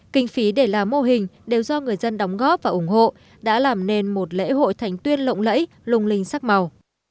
kinh phí để làm mô hình đều do người dân đóng góp và ủng hộ đã làm nên một lễ hội thành tuyên lộng lẫy lung linh sắc màu